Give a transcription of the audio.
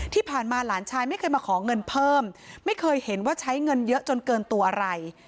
ที่ผ่านมาหลานชายไม่เคยมาขอเงินเพิ่มไม่เคยเห็นว่าใช้เงินเยอะจนเกินตัวอะไร